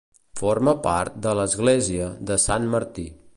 Forma part de l'església de Sant Martí.